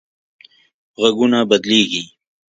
غږونه بدلېږي